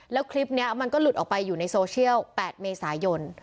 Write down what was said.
แล้วคลิปนี้มันก็หลุดออกไปอยู่ในโซเชียล๘เมษายน